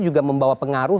juga membawa pengaruh